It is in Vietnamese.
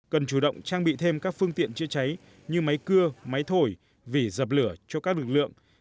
cần chủ động trang bị thêm các phương tiện chữa cháy như máy cưa máy thổi vỉ dập lửa cho các lực lượng